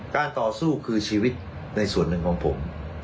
ต่อสู้คือชีวิตในส่วนหนึ่งของผม